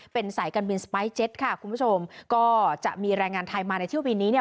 เป็นสายการบินสไปร์เจ็ตค่ะคุณผู้ชมก็จะมีแรงงานไทยมาในเที่ยวบินนี้เนี่ย